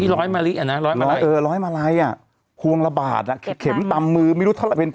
ที่ร้อยมาลี้อ่ะนะ